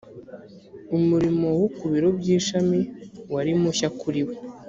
umurimo wo ku biro by ‘ishami wari mushya kuri we.